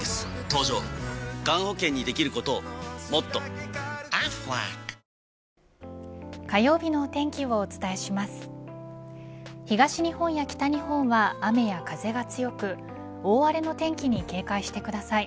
東日本や北日本は雨や風が強く大荒れの天気に警戒してください。